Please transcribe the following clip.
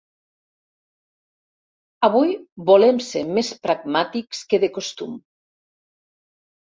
Avui volem ser més pragmàtics que de costum.